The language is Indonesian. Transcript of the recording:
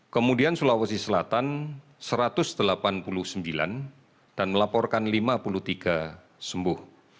kemudian sulawesi selatan satu ratus delapan puluh sembilan dan melaporkan lima puluh tiga sembuh